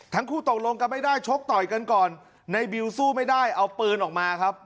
ทั้งคู่ตกลงกันไม่ได้ชกต่อยกันก่อนในบิวสู้ไม่ได้เอาปืนออกมาครับ